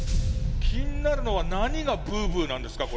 気になるのは何がブーブーなんですか？